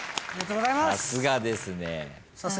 さすがですね。